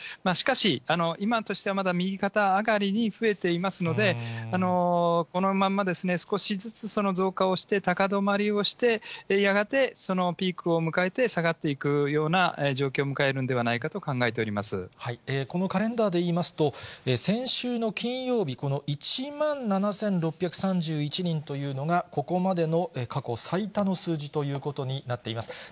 しかし、今としてはまだ右肩上がりに増えていますので、このまま少しずつ増加をして高止まりをして、やがてピークを迎えて下がっていくような状況を迎えるんではないこのカレンダーでいいますと、先週の金曜日、この１万７６３１人というのが、ここまでの過去最多の数字ということになっています。